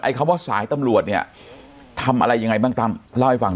คำว่าสายตำรวจเนี่ยทำอะไรยังไงบ้างตั้มเล่าให้ฟัง